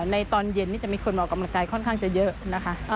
ตอนเย็นนี่จะมีคนออกกำลังกายค่อนข้างจะเยอะนะคะ